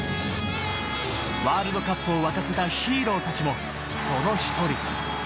ワールドカップを沸かせたヒーローたちも、その１人。